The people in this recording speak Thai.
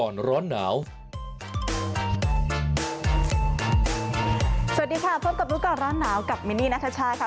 สวัสดีค่ะพร้อมกับรูกรรณนาวกับมินี่นาธาชาค่ะ